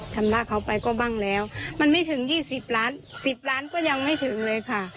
ชำระเขาไปก็บ้างแล้วมันไม่ถึง๒๐ล้าน๑๐ล้านก็ยังไม่ถึงเลยค่ะ